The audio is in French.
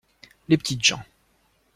Les petites gens.